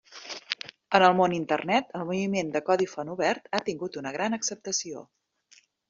En el món Internet, el moviment de codi font obert ha tingut una gran acceptació.